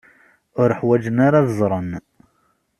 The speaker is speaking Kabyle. Ur ḥwajen ara ad ẓren.